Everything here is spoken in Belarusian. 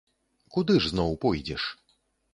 Куды ж зноў пойдзеш?